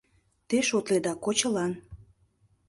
Те шотледа кочылан.